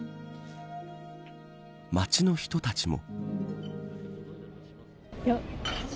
街の人たちも。